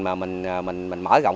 mà mình mở rộng